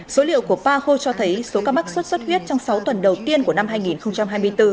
số liệu của paho cho thấy số ca mắc sốt xuất huyết trong sáu tuần đầu tiên của năm hai nghìn hai mươi bốn